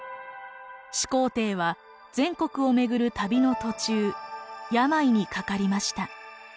始皇帝は全国を巡る旅の途中病にかかりました。